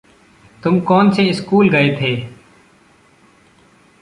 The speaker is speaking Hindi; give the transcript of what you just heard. तुम कौनसे स्कूल गये थे?